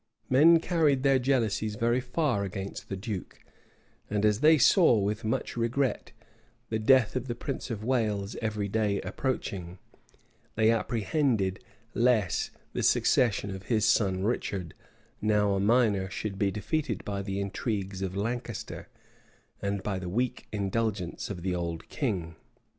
Men carried their jealousies very far against the duke; and as they saw, with much regret, the death of the prince of Wales every day approaching, they apprehended lest the succession of his son Richard, now a minor, should be defeated by the intrigues of Lancaster, and by the weak indulgence of the old king.